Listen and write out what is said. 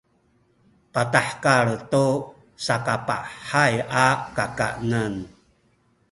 patahekal tu sakapahay a kakanen